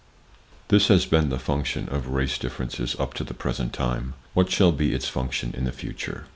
This has been the function of race differences up to the present time. What shall be its function in the future?